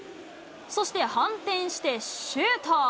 そして、反転してシュート。